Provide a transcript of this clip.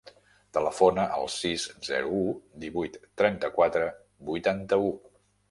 Telefona al sis, zero, u, divuit, trenta-quatre, vuitanta-u.